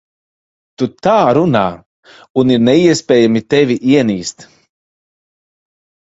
Tu tā runā, un ir neiespējami tevi ienīst.